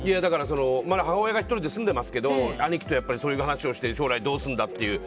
まだ母親が１人で住んでますが兄貴とそういう話をして将来どうするんだという。